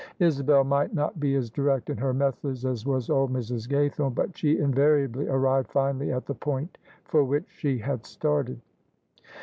Isabel might not be as direct in her methods as was old Mrs. Gaythome; but she invariably arrived finally at the point for which she had started.